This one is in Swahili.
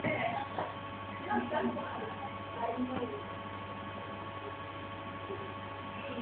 waokoaji wamechukua miili ishirini na moja kutoka Mbale na mingine mitatu kutoka Kapchorwa .